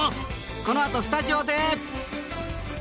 このあとスタジオで。